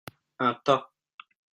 Un tas.